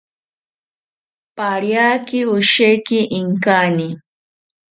Pariaki osheki inkani